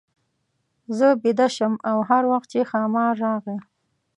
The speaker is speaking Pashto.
زه بېده شم او هر وخت چې ښامار راغی.